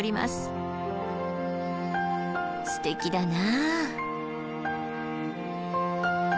すてきだな！